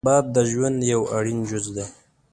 باد د ژوند یو اړین جز دی